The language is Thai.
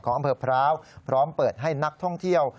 อำเภอพร้าวพร้อมเปิดให้นักท่องเที่ยว